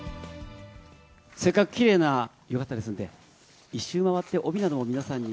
せっかくきれいな浴衣ですので、一周回って、帯などを皆さんに。